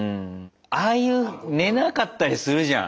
ああいう寝なかったりするじゃん。